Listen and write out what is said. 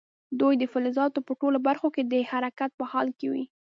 دوی د فلزاتو په ټولو برخو کې د حرکت په حال کې وي.